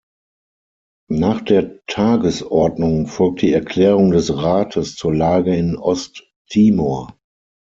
Nach der Tagesordnung folgt die Erklärung des Rates zur Lage in Ost-Timor.